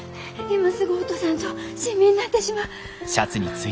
今すぐ落とさんと染みになってしまう。